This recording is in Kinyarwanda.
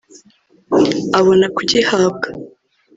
abona kugihabwa